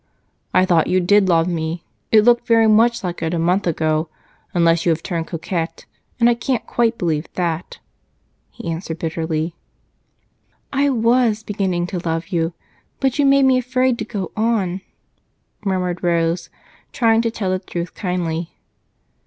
"I thought you did love me it looked very like it a month ago, unless you have turned coquette, and I can't quite believe that," he answered bitterly. "I was beginning to love you, but you made me afraid to go on," murmured Rose, trying to tell the truth kindly.